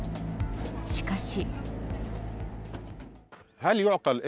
しかし。